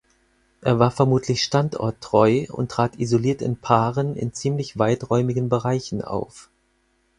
Er war vermutlich standorttreu und trat isoliert in Paaren in ziemlich weiträumigen Bereichen auf.